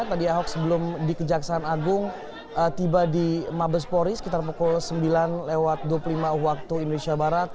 tadi ahok sebelum di kejaksaan agung tiba di mabespori sekitar pukul sembilan lewat dua puluh lima waktu indonesia barat